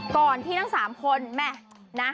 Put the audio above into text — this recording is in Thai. ก่อนที่ทั้ง๓คนแม่นะ